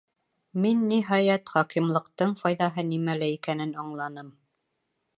Мин, ниһайәт, хакимлыҡтың файҙаһы нимәлә икәнен аңланым.